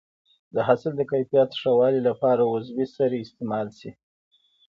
د حاصل د کیفیت ښه والي لپاره عضوي سرې استعمال شي.